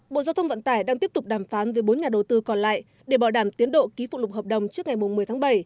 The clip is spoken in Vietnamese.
bộ giao thông vận tải đang tiếp tục đàm phán với bốn nhà đầu tư còn lại để bảo đảm tiến độ ký phụ lục hợp đồng trước ngày một mươi tháng bảy